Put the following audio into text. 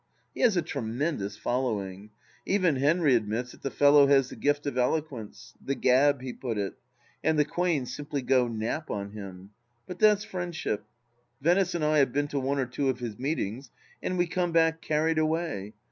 He has a tremendous following. Even Henry admits that the fellow has the gift of eloquence — the gab, he put it —• and the Quains simply go Nap on him ; but that's friendship. Venice and I have been to one or two of his meetings and we come back carried away.